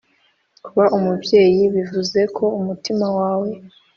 kuba umubyeyi bivuze ko umutima wawe